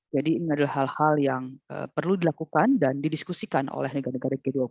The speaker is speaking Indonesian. jadi ini adalah hal hal yang perlu dilakukan dan didiskusikan oleh negara negara g dua puluh